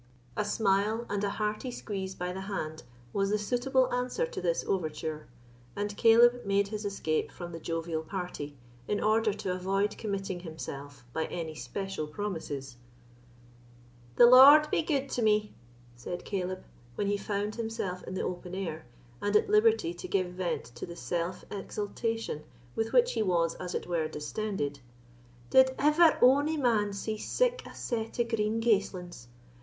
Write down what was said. A smile, and a hearty squeeze by the hand, was the suitable answer to this overture; and Caleb made his escape from the jovial party, in order to avoid committing himself by any special promises. "The Lord be gude to me," said Caleb, when he found himself in the open air, and at liberty to give vent to the self exultation with which he was, as it were, distended; "did ever ony man see sic a set of green gaislings?